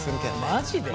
マジで？